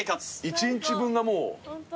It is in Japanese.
１日分がもう。